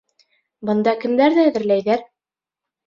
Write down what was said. Бында кемдәрҙе әҙерләйҙәр?